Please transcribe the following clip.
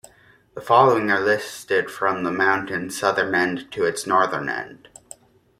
The following are listed from the mountain's southern end to its northern end.